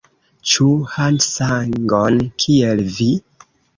Ĉu hundsangon, kiel vi?